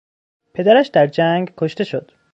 پدرش در جنگ کشته شد.